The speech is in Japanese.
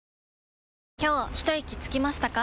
今日ひといきつきましたか？